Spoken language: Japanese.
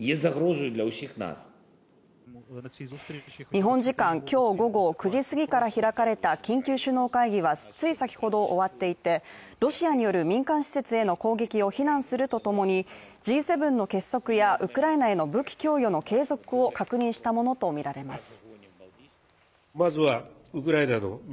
日本時間今日午後９時すぎから開かれた緊急首脳会議はつい先ほど終わっていてロシアによる民間施設への攻撃を非難するとともに、Ｇ７の結束やウクライナへの武器供与の継続を確認したものとみられます。